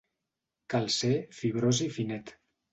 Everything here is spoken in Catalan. Cal ser fibrós i finet.